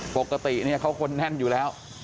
ปกติเขาคนแน่นอยู่แล้ว